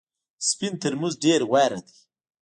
سپین ترموز ډېر غوره دی .